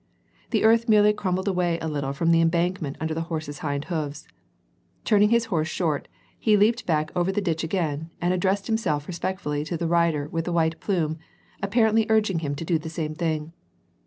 The earth merely crumbled away a* little from the embankment under the horse's hind hoofs. Turning his horse short, he leaped back over the ditch again, and addressed himself respectfully to the rider with the wliite plume, ap parently urging him to do the same thing.